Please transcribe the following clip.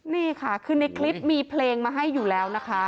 นี่ค่ะคือในคลิปมีเพลงมาให้อยู่แล้วนะคะ